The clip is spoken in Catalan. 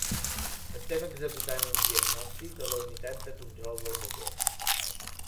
Estem executant un diagnòstic a la unitat de control del motor.